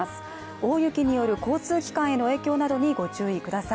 大雪による交通機関への影響などにご注意ください。